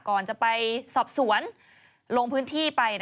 ก่อนจะไปสอบสวนลงพื้นที่ไป